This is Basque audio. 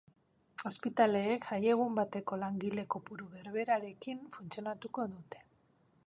Ospitaleek jaiegun bateko langile kopuru berberarekin funtzionatuko dute.